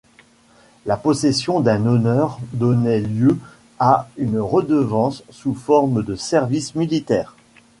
La possession d'un honneur donnait lieu à une redevance sous forme de service militaire.